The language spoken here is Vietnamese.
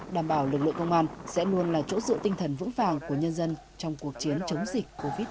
đảm bảo lực lượng công an sẽ luôn là chỗ dựa tinh thần vững vàng của nhân dân trong cuộc chiến chống dịch covid một mươi chín